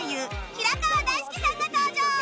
平川大輔さんが登場